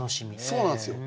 そうなんですよ。